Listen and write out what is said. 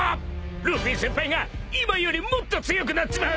［ルフィ先輩が今よりもっと強くなっちまう］